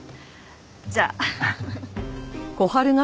じゃあ。